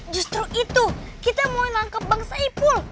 justru itu kita mulai menangkap bang saipul